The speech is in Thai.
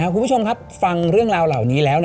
คุณผู้ชมครับฟังเรื่องราวเหล่านี้แล้ว